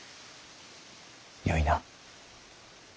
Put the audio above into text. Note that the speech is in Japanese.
よいな。